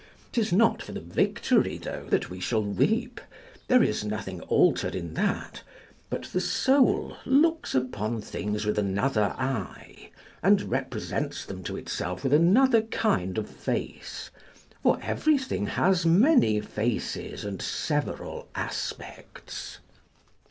'Tis not for the victory, though, that we shall weep: there is nothing altered in that but the soul looks upon things with another eye and represents them to itself with another kind of face; for everything has many faces and several aspects.